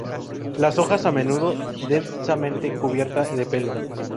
Las hojas, a menudo, densamente cubierta de pelo.